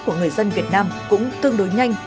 của người dân việt nam cũng tương đối nhanh